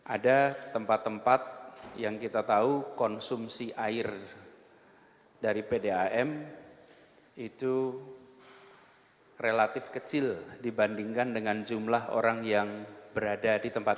ada tempat tempat yang kita tahu konsumsi air dari pdam itu relatif kecil dibandingkan dengan jumlah orang yang berada di tempat